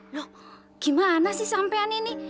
loh gimana sih sampean ini